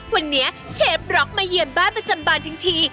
วันนี้เชฟร็อกมาเยือนบ้านประจำบานทั้งที